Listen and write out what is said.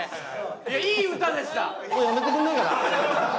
いや、いい歌でした。